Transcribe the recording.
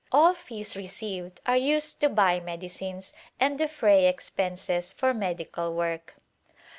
All fees received are used to buy medicines and defray expenses for medical work.